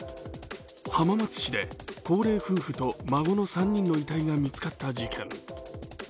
浜松市で高齢夫婦と孫の３人の遺体が見つかった事件。